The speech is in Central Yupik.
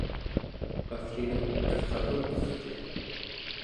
qavcinek allrakungqercit?